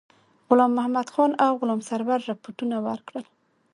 غلام محمدخان او غلام سرور رپوټونه ورکړل.